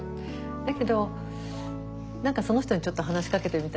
だけど何かその人にちょっと話しかけてみたりね。